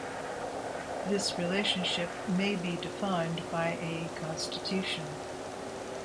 This relationship may be defined by a constitution.